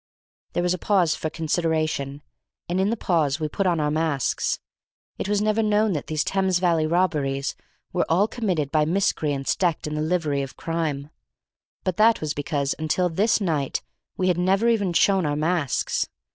There was a pause for consideration, and in the pause we put on our masks. It was never known that these Thames Valley robberies were all committed by miscreants decked in the livery of crime, but that was because until this night we had never even shown our masks.